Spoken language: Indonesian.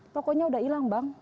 tokonya udah hilang bang